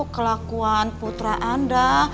kelakuan putra anda